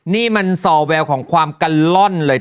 นี่มันซอแววของความกัลล่อนเลย